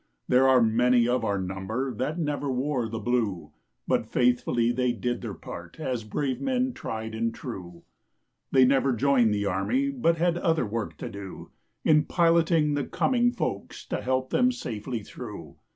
There are many of our number That never wore the blue, But faithfully they did their part As brave men, tried and true. They never joined the army, But had other work to do In piloting the coming folks, To help them safely through.